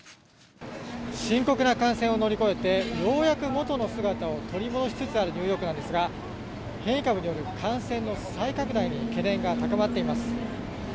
深刻な感染を乗り越えてようやく元の姿を取り戻しつつあるニューヨークなんですが変異株による感染の再拡大に懸念が高まっています。